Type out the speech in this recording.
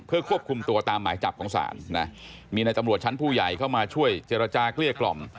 เพื่อควบคุมตัวตามหมายจับของศาลนะมีในตำรวจชั้นผู้ใหญ่เข้ามาช่วยเจรจาเกลี้ยกล่อม